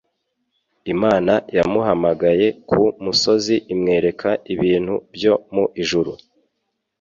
Imana yamuhamagaye ku musozi imwereka ibintu byo mu ijuru.